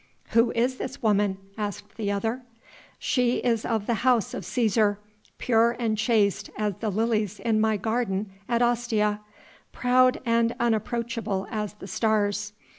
"Who is this woman?" asked the other. "She is of the House of Cæsar, pure and chaste as the lilies in my garden at Ostia, proud and unapproachable as the stars